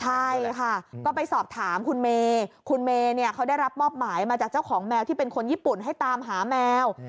ใช่ค่ะก็ไปสอบถามคุณเมย์คุณเมย์เนี่ยเขาได้รับมอบหมายมาจากเจ้าของแมวที่เป็นคนญี่ปุ่นให้ตามหาแมว